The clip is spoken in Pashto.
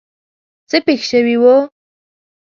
څه پېښ شوي وو.